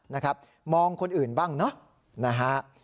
นะครับมองคนอื่นบ้างเนอะนะฮะ